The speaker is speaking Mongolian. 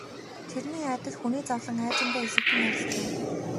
Тэрний адил хүний зовлон аажимдаа элэгдэн арилдаг юм.